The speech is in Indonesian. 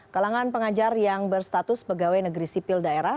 kalangan pengajar yang berstatus pegawai negeri sipil daerah